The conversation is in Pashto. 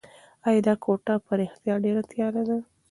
ایا دا کوټه په رښتیا ډېره تیاره ده؟